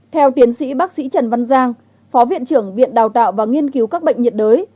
theo tiến sĩ bác sĩ trần văn giang phó viện trưởng viện đào tạo và nghiên cứu các bệnh nhiệt đới